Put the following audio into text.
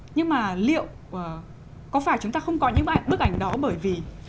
nhưng mà liệu có phải chúng ta không có những bức ảnh đó bởi vì